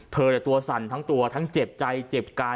ตัวสั่นทั้งตัวทั้งเจ็บใจเจ็บกาย